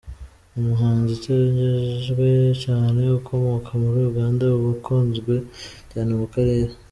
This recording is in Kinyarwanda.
umuhanzi utegerejwe cyane ukomoka muri Uganda ubu ukunzwe cyane mu karere